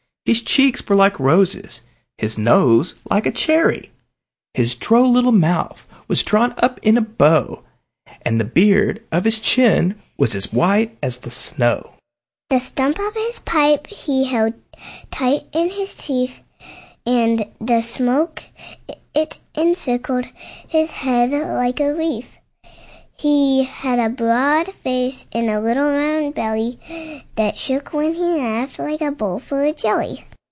His cheeks were like roses, his nose like a cherry! His droll little mouth was drawn up like a bow, And the beard of his chin was as white as the snow; The stump of a pipe he held tight in his teeth, And the smoke it encircled his head like a wreath; He had a broad face and a little round belly, That shook when he laughed, like a bowlful of jelly.